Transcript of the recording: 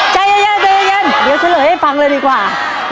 ใจเย็นใจเย็นเดี๋ยวเฉลยให้ฟังเลยดีกว่า